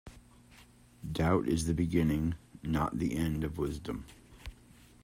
Doubt is the beginning, not the end of wisdom